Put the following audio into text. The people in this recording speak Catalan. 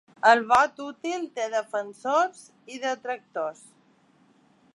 El vot útil té defensors i detractors.